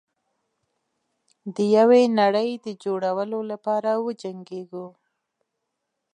د یوې نړۍ د جوړولو لپاره وجنګیږو.